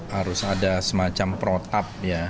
harus ada semacam protap ya